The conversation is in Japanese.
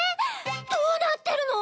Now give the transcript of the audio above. どうなってるの？